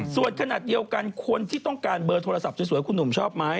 ส่วนขนาดเดียวกันคนที่ต้องการเบอร์โทรศัพท์สวยคุณหนุ่มชอบไหม